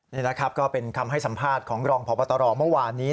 นี่นะครับก็เป็นคำให้สัมภาษณ์ของรองพบตรเมื่อวานนี้